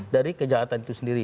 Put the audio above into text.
dari kejahatan itu sendiri